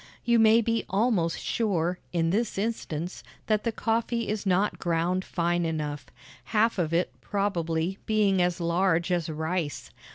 You may be almost sure, in this instance, that the coffee is not ground fine enough, half of it, probably, being as large as rice.